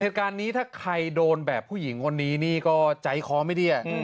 เหตุการณ์นี้ถ้าใครโดนแบบผู้หญิงคนนี้นี่ก็ใจคอไม่ดี